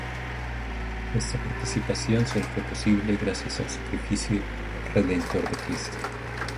Esta participación solo fue posible gracias al sacrificio redentor de Cristo.